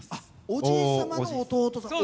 おじい様の弟さん。